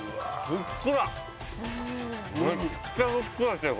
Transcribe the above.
ふっくらめっちゃふっくらしてる